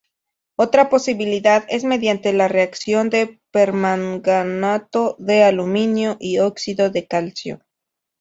Otra posibilidad es mediante la reacción de permanganato de aluminio y óxido de calcio.